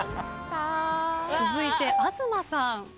続いて東さん。